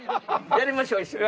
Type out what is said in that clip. やりましょう一緒に。